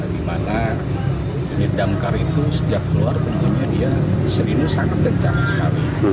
dimana jenis damkar itu setiap keluar tentunya dia sering sangat berdengkar sekali